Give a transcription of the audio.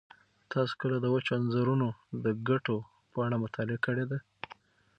تاسو کله د وچو انځرونو د ګټو په اړه مطالعه کړې ده؟